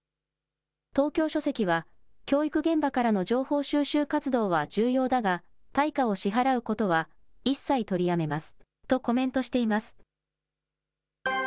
東京書籍は、教育現場からの情報収集活動は重要だが、対価を支払うことは一切取りやめますとコメントしています。